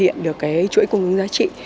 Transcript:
hoàn thiện được cái chuỗi cung ứng giá trị